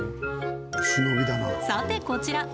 さて、こちら。